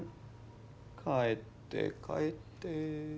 帰って帰って。